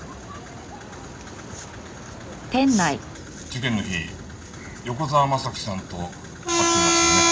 事件の日横沢征さんと会っていますよね？